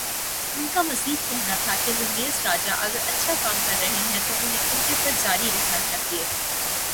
ان کا مزید کہنا تھا کہ رمیز راجہ اگر اچھا کام کررہے ہیں تو انہیں عہدے پر جاری رہنا چاہیے۔